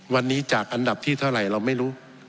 วันนี้จากอันดับที่เท่าไหร่เราไม่รู้